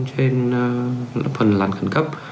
trên phần làn khẩn cấp